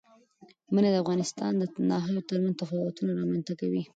منی د افغانستان د ناحیو ترمنځ تفاوتونه رامنځ ته کوي.